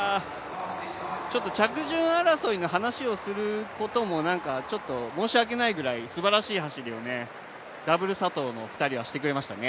着順争いの話をすることも、ちょっと申し訳ないぐらい、すばらしい走りをダブル佐藤の２人はしてくれましたね。